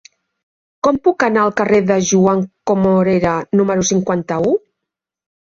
Com puc anar al carrer de Joan Comorera número cinquanta-u?